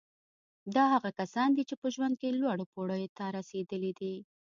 دا هغه کسان دي چې په ژوند کې لوړو پوړیو ته رسېدلي دي